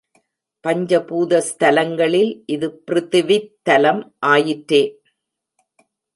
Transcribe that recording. பஞ்ச பூத ஸ்தலங்களில் இது பிருதிவித் தலம் ஆயிற்றே.